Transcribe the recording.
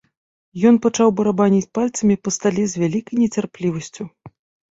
Ён пачаў барабаніць пальцамі па стале з вялікай нецярплівасцю.